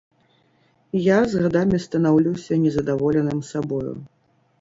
Я з гадамі станаўлюся незадаволеным сабою.